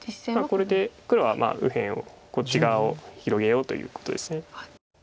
これで黒は右辺をこっち側を広げようということです。